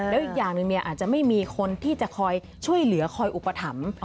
แล้วอีกอย่างหนึ่งอาจจะไม่มีคนที่จะคอยช่วยเหลือคอยอุปถัมภ์